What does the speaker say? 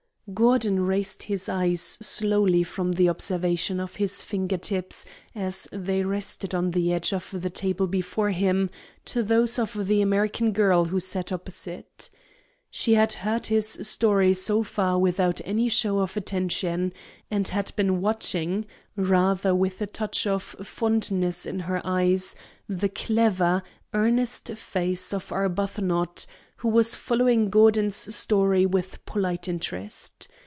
Gordon raised his eyes slowly from the observation of his finger tips as they rested on the edge of the table before him to those of the American girl who sat opposite. She had heard his story so far without any show of attention, and had been watching, rather with a touch of fondness in her eyes, the clever, earnest face of Arbuthnot, who was following Gordon's story with polite interest.